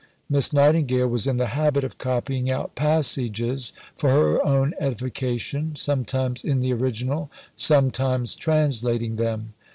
Miss Nightingale was in the habit of copying out passages for her own edification, sometimes in the original, sometimes translating them.